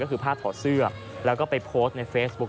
เพราะกลัวมันจะเปื้อนพร้อมทั้งมีการนำโทรศัพท์มือถือไปถ่ายเล่นกัน